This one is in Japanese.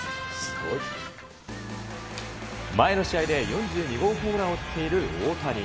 前の試合で４２号ホームランを打っている大谷。